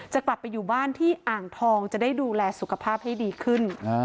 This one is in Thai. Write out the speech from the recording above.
กลับไปอยู่บ้านที่อ่างทองจะได้ดูแลสุขภาพให้ดีขึ้น